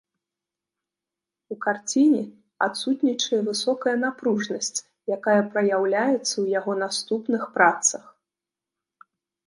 У карціне адсутнічае высокая напружанасць, якая праяўляецца ў яго наступных працах.